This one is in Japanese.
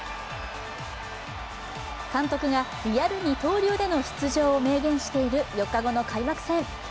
監督がリアル二刀流での出場を明言している４日後の開幕戦。